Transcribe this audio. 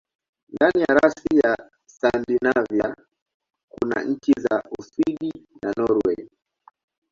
Ndani ya rasi ya Skandinavia kuna nchi za Uswidi na Norwei.